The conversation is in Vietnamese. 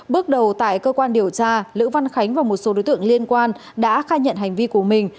bước đầu tại cơ quan điều tra lữ văn khánh và một số đối tượng liên quan đã khai nhận hành vi của mình